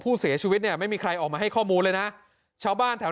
ผู้เสียชีวิตเนี่ยไม่มีใครออกมาให้ข้อมูลเลยนะชาวบ้านแถว